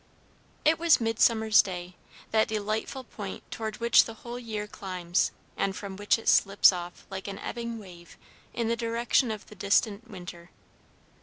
It was Midsummer's Day, that delightful point toward which the whole year climbs, and from which it slips off like an ebbing wave in the direction of the distant winter.